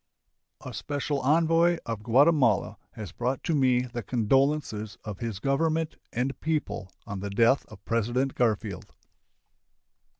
A special envoy of Guatemala has brought to me the condolences of his Government and people on the death of President Garfield.